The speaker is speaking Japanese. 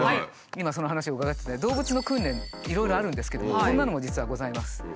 今その話を伺ってて動物の訓練いろいろあるんですけどもこんなのも実はございます。